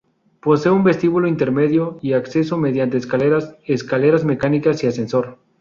Posee un vestíbulo intermedio, y acceso mediante escaleras, escaleras mecánicas y ascensor.